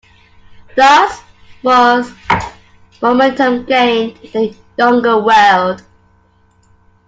Thus was momentum gained in the Younger World.